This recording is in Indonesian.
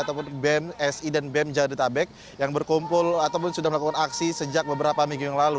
ataupun bemsi dan bem jadetabek yang berkumpul ataupun sudah melakukan aksi sejak beberapa minggu yang lalu